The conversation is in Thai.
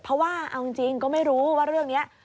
เพราะว่าเอาจริงก็ไม่รู้ว่าเรื่องนี้